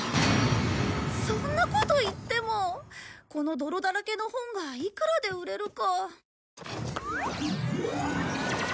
そんなこと言ってもこの泥だらけの本がいくらで売れるか。